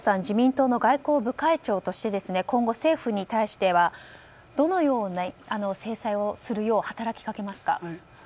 自民党の外交部会長として今後、政府に対してはどのような制裁をするよう働きかけますか？